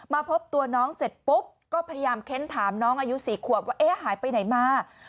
มาพบตัวน้องเสร็จปุ๊บก็พยายามเค้นถามน้องอายุ๔ขวบว่าเอ๊ะหายไปไหนมา